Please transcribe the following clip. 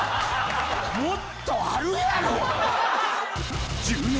もっとあるやろ！